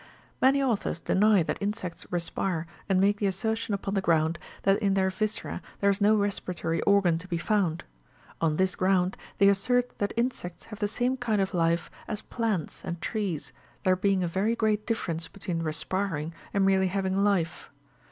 Many authors deny that insects respire,5 and make the assertion upon the ground, that in their viscera there is no respiratory organ to be found. On this ground, they assert that insects have the same kind of life as plants and trees, there being a very great difference between respiring and merely having life.